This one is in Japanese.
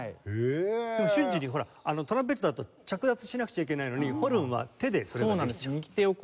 瞬時にほらトランペットだと着脱しなくちゃいけないのにホルンは手でそれができちゃう。